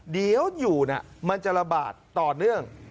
เดี๋ยวอยู่มันจะระบาดต่อเนื่อง